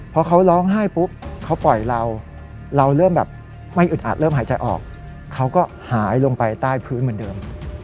พอเขาร้องไห้ปุ๊บเขาปล่อยเราเราเริ่มแบบไม่อึดอัดเริ่มหายใจออกเขาก็หายลงไปใต้พื้นเหมือนเดิม